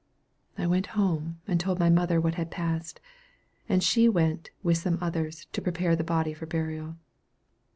I went home, and told my mother what had passed; and she went, with some others, to prepare the body for burial.